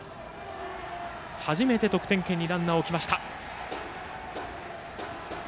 初めて得点圏にランナーを置きました。